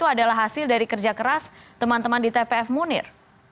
adalah hasil dari kerja keras teman teman di tpf munir